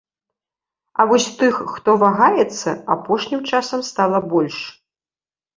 А вось тых, хто вагаецца, апошнім часам стала больш.